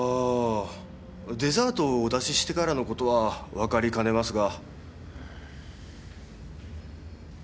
デザートをお出ししてからのことは分かりかねますが。